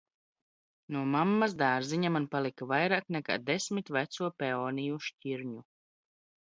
No mammas dārziņa man palika vairāk nekā desmit veco peoniju šķirņu.